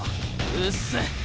うっせえ！